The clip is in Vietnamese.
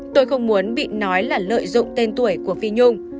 tôi không muốn bị nói là lợi dụng tên tuổi của phi nhung